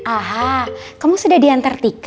aha kamu sudah diantar tika